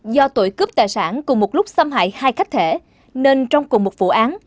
do tội cướp tài sản cùng một lúc xâm hại hai khách thể nên trong cùng một vụ án